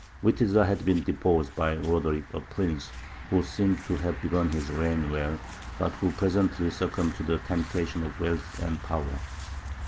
[Illustration: TOLEDO.] Witiza had been deposed by Roderick, a prince who seems to have begun his reign well, but who presently succumbed to the temptations of wealth and power.